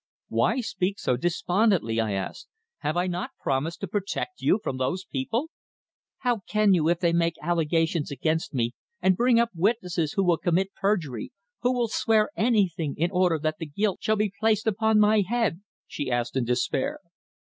"Why speak so despondently?" I asked. "Have I not promised to protect you from those people?" "How can you if they make allegations against me and bring up witnesses who will commit perjury who will swear anything in order that the guilt shall be placed upon my head," she asked in despair.